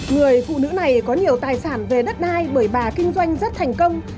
người phụ nữ này có nhiều tài sản về đất đai bởi bà kinh doanh rất thành công